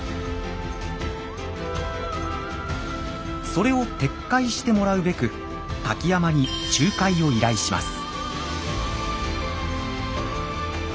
それを撤回してもらうべく瀧山に仲介を依頼します。